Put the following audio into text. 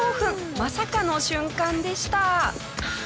まさかの瞬間でした。